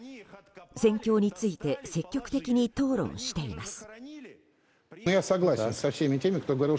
戦況について積極的に討論しています。